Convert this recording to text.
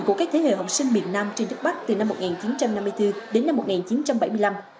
của các thế hệ học sinh miền nam trên đất bắc từ năm một nghìn chín trăm năm mươi bốn đến năm một nghìn chín trăm bảy mươi năm